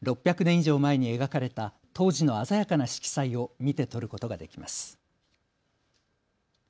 以上前に描かれた当時の鮮やかな色彩を見て取ることができます。